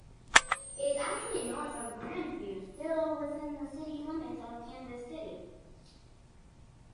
It is actually north of Grandview, still within the city limits of Kansas City.